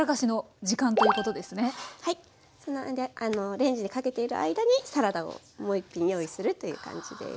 レンジにかけている間にサラダをもう一品用意するという感じです。